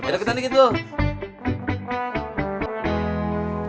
deketan dikit dulu